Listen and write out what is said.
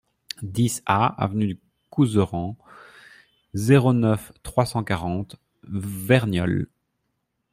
dix A avenue du Couserans, zéro neuf, trois cent quarante, Verniolle